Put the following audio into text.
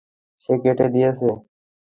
সে কেটে দিয়েছে।